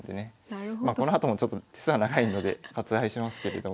まあこのあともちょっと手数は長いので割愛しますけれども。